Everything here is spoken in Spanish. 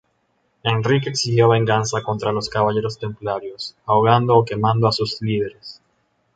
Enrique exigió venganza contra los caballeros Templarios, ahogando o quemando a sus líderes.